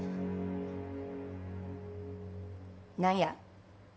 何や。